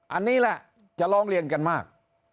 อันนี้แหละจะร้องเรียนกันมาก